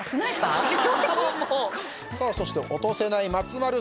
さあそして落とせない松丸さん。